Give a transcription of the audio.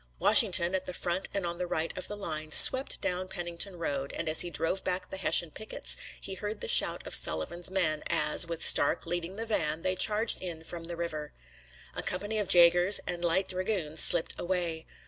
Washington, at the front and on the right of the line, swept down the Pennington road, and, as he drove back the Hessian pickets, he heard the shout of Sullivan's men as, with Stark leading the van, they charged in from the river. A company of jaegers and of light dragoons slipped away.